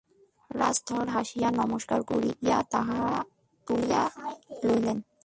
রাজধর হাসিয়া নমস্কার করিয়া তাহা তুলিয়া লইলেন।